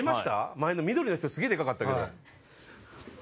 前の緑の人すげえでかかったけど。